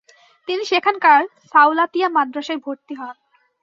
তিনি সেখানকার সাওলাতিয়্যা মাদ্রাসায় ভর্তি হন।